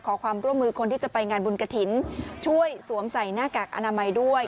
ขอความร่วมมือคนที่จะไปงานบุญกระถิ่นช่วยสวมใส่หน้ากากอนามัยด้วย